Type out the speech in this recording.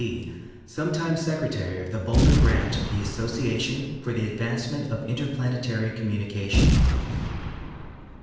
D., Sometime Secretary of the Boulder Branch of the Association for the Advancement of Interplanetary Communication.